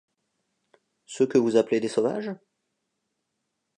ceux que vous appelez des sauvages ?